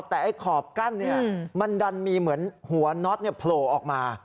แต่ไอ้ขอบกั้นมันดันมีเหมือนหัวน็อตโผล่ออกมา